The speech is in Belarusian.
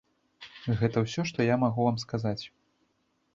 Гэта ўсё, што я магу вам сказаць.